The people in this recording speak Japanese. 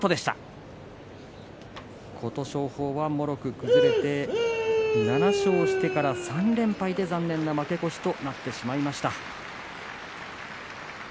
琴勝峰はもろく崩れて７勝してから３連敗で残念な負け越しとなってしまいました。